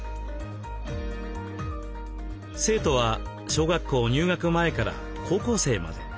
生徒は小学校入学前から高校生まで。